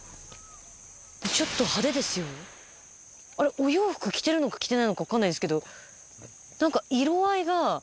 お洋服着てるのか着てないのか分かんないですけど。